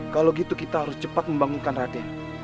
kalau gitu kita harus cepat membangunkan rade